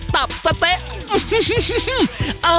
ตับสะเต๊ะ